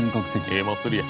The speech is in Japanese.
ええ祭りや。